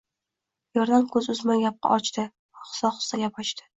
Yerdan ko‘z olmay gap ochdi. Ohista-ohista gap ochdi: